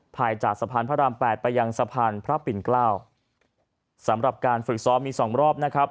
ภายจากสะพานพระรามแปดไปยังสะพานพระปิ่นเกล้าสำหรับการฝึกซ้อมมีสองรอบนะครับ